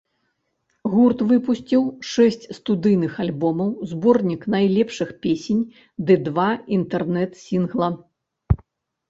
Гурт выпусціў шэсць студыйных альбомаў, зборнік найлепшых песень ды два інтэрнэт-сінгла.